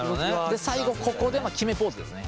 最後ここで決めポーズですね。